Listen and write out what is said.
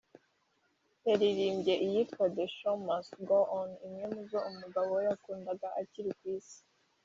yaririmbye iyitwa “The Show Must Go On” imwe mu zo umugabo we yakundaga akiri ku Isi